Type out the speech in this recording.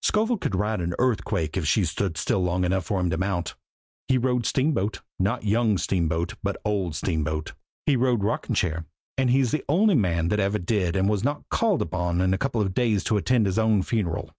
"Scovel could ride an earthquake if she stood still long enough for him to mount! He rode Steamboat not Young Steamboat, but Old Steamboat! He rode Rocking Chair, and he's the only man that ever did that and was not called on in a couple of days to attend his own funeral."